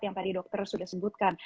yang tadi dokter sudah sebutkan